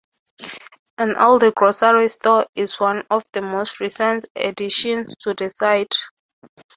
An Aldi grocery store is one of the most recent additions to the site.